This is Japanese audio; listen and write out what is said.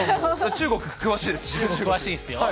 中国、詳しいですよ。